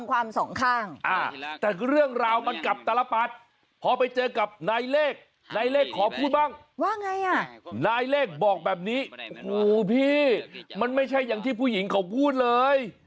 ว่าไงอ่ะนายเลกบอกแบบนี้โอ้โฮพี่มันไม่ใช่อย่างที่ผู้หญิงเขาพูดเลย